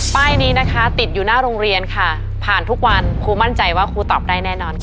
ป้ายนี้นะคะติดอยู่หน้าโรงเรียนค่ะผ่านทุกวันครูมั่นใจว่าครูตอบได้แน่นอนค่ะ